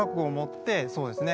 そうですね。